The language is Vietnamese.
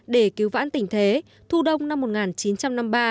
để cứu vãn tình thế thu đông năm một nghìn chín trăm năm mươi ba